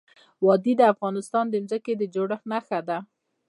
وادي د افغانستان د ځمکې د جوړښت نښه ده.